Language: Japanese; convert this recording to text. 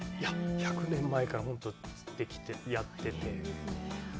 １００年前から本当やってて。